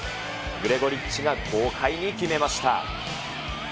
グレゴリッチが豪快に決めました。